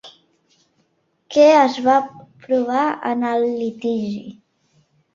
Què es va provar en el litigi?